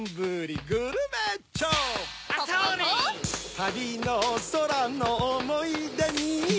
たびのおそらのおもいでに